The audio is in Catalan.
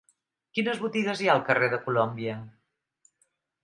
Quines botigues hi ha al carrer de Colòmbia?